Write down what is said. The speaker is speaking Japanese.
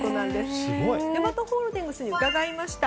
ヤマトホールディングスに伺いました。